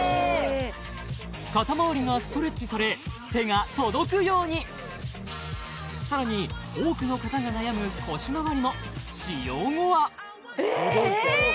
肩周りがストレッチされ手が届くようにさらに多くの方が悩む腰周りも使用後はえっ！